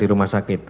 bukan di rumah sakit